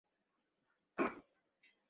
পুলিশের জিম্মায় থাকা মাস্টারের কী করবেন?